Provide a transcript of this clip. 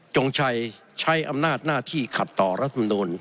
จงชัยใช้อำนาจหน้าที่ขัดต่อรัฐมนูล